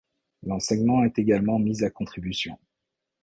L'enseignement est également mis à contribution.